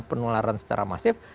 penularan secara masif